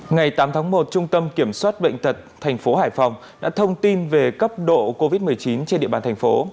ngày tám tháng một trung tâm kiểm soát bệnh tật thành phố hải phòng đã thông tin về cấp độ covid một mươi chín trên địa bàn thành phố